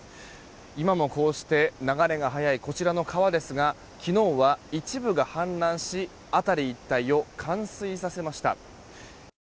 今もこうして流れが速いこちらの川ですが昨日は一部が氾濫し辺り一帯を冠水させました。